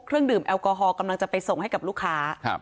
เครื่องดื่มแอลกอฮอลกำลังจะไปส่งให้กับลูกค้าครับ